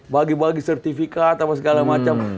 bagi bagi sertifikat apa segala macam